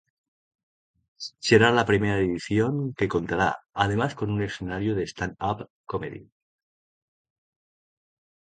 Será la primera edición que contará además con un escenario de Stand up Comedy.